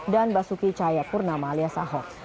dan basuki cahayapurnama alias ahok